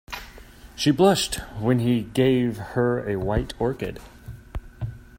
She blushed when he gave her a white orchid.